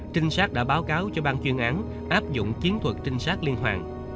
trinh sát đã báo cáo cho bang chuyên án áp dụng chiến thuật trinh sát liên hoạn